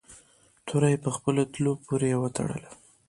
توره یې په خپلو تلو پورې و تړله.